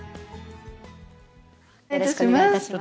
よろしくお願いします。